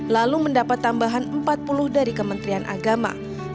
lalu mendapat tambahan empat puluh dari kementerian agama